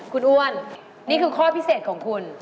คุณอ้วนนี่คือข้อพิเศษของคุณ